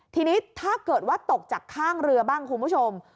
ทีนี้ถ้าเกิดว่าตกจากข้างเรือบ้างคุณผู้ชม